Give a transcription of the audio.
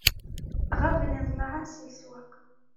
Ɣaben iḍellaɛen si leswaq.